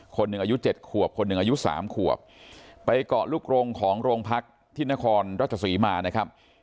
คนหนึ่งอายุเจ็ดขวบคนหนึ่งอายุสามขวบไปเกาะลูกโรงของโรงพักที่นครราชศรีมานะครับ